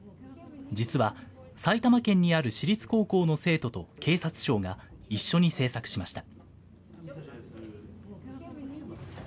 実は、埼玉県にある私立高校の生徒と警察庁が一緒に制作しました。